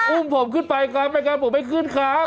อุ้มผมขึ้นไปครับไม่งั้นผมไม่ขึ้นครับ